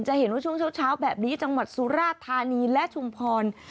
เห็นว่าช่วงเช้าแบบนี้จังหวัดสุราธานีและชุมพร